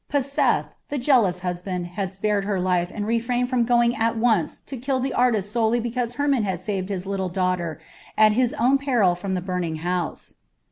Paseth, the jealous husband, had spared her life and refrained from going at once to kill the artist solely because Hermon had saved his little daughter at his own peril from the burning house.